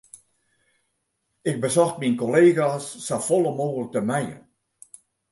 Ik besocht myn kollega's safolle mooglik te mijen.